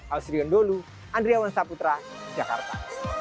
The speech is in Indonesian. ausriundolu andriawan saputra jakarta